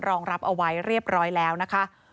รองรับเอาไว้เรียบร้อยแล้วนะคะ